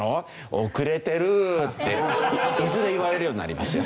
遅れてる」っていずれ言われるようになりますよ。